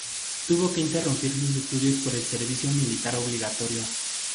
Tuvo que interrumpir sus estudios por el servicio militar obligatorio.